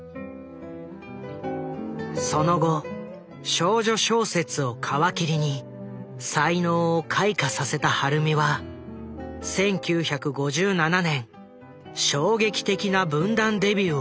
その後少女小説を皮切りに才能を開花させた晴美は１９５７年衝撃的な文壇デビューを果たす。